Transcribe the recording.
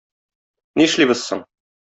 Нишлибез соң?